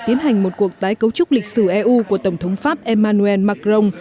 tiến hành một cuộc tái cấu trúc lịch sử eu của tổng thống pháp emmanuel macron